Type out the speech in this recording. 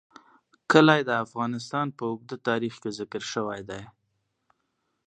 کلي د افغانستان په اوږده تاریخ کې ذکر شوی دی.